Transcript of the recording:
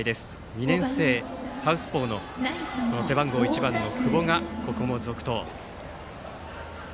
２年生サウスポーの背番号１番の久保がここも続投。